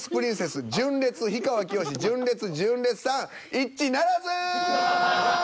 一致ならず！